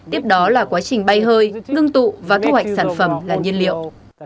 tiếp đó là quá trình bay hơi ngưng tụ và thu hoạch sản phẩm là nhiên liệu